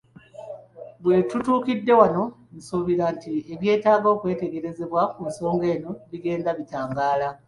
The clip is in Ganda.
We tutuukidde wano nsuubira nti ebyetaaga okwetegerezebwa ku nsonga eno bigenda bitangaala.